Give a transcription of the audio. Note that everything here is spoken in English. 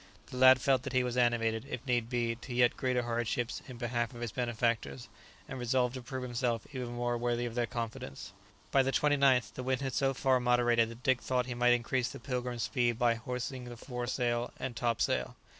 The lad felt that he was animated, if need be, to yet greater hardships in behalf of his benefactors, and resolved to prove himself even more worthy of their confidence. By the 29th, the wind had so far moderated that Dick thought he might increase the "Pilgrim's" speed by hoisting the foresail and topsail.